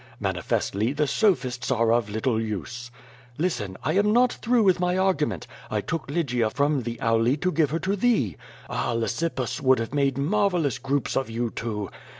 Manifestly the Sophists are of a little use. Listen, I am not through with my argument. I took Lygia from the Auli to give her to thee. Ah, Lysippus would have made marvelous groups of you two!